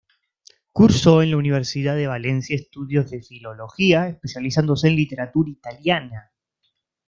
Cursó en la Universidad de Valencia estudios de filología, especializándose en literatura italiana.